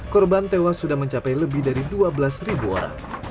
korban tewas sudah mencapai lebih dari dua belas orang